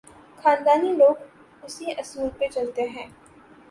خاندانی لوگ اسی اصول پہ چلتے ہیں۔